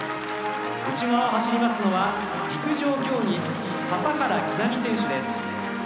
内側を走りますのは陸上競技、笹原希奈美選手です。